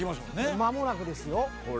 間もなくですよ。